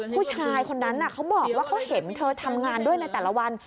ผู้ชายคนนั้นเขาบอกว่าเขาเห็นเธอทำงานด้วยในแต่ละวัน